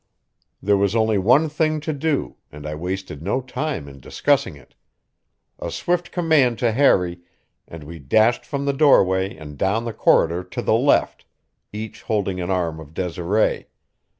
There was only one thing to do, and I wasted no time in discussing it. A swift command to Harry, and we dashed from the doorway and down the corridor to the left, each holding an arm of Desiree.